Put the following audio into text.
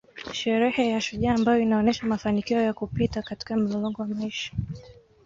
Sherehe ya shujaa ambayo inaonesha mafanikio ya kupita katika mlolongo wa maisha